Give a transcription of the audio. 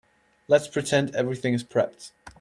Let's pretend everything is prepped.